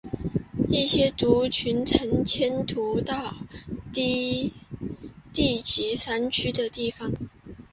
一些族群曾迁徙到低地及山区的地方。